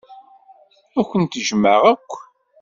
Ad kent-jjmeɣ akk.